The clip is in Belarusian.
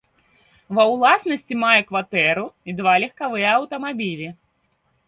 Ва ўласнасці мае кватэру і два легкавыя аўтамабілі.